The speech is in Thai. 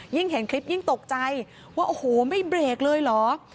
เห็นคลิปยิ่งตกใจว่าโอ้โหไม่เบรกเลยเหรอ